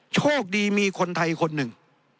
โชคดีมีคนไทยคนหนึ่ง